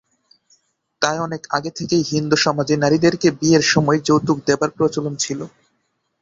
তাই অনেক আগে থেকেই হিন্দু সমাজে নারীদেরকে বিয়ের সময়ে যৌতুক দেবার প্রচলন ছিল।